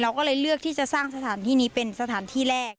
ก็เลยเลือกที่จะสร้างสถานที่นี้เป็นสถานที่แรก